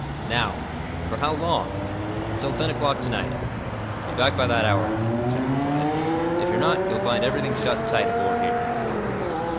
"Now." "For how long?" "Until ten o'clock to night." "Be back by that hour, then," Jack replied. "If you're not, you'll find everything shut tight aboard here."